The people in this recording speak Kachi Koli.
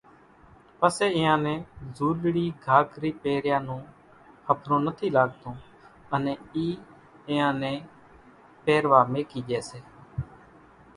پسيَ اينيان نين زُولڙِي گھاگھرِي پيريان نون ۿڦرون نٿِي لاڳتون انين اِي اينيان نين پيروا ميڪِي ڄيَ سي۔